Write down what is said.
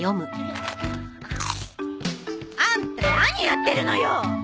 あんた何やってるのよ！